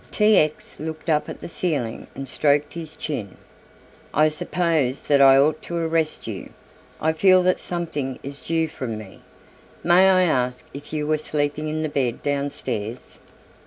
T. X. looked up at the ceiling and stroked his chin. "I suppose that I ought to arrest you. I feel that something is due from me. May I ask if you were sleeping in the bed downstairs?"